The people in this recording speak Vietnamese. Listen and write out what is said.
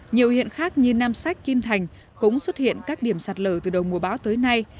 nhiều huyện khác như nam sách kim thành cũng xuất hiện các điểm sạt lở từ đầu mùa báo tới nay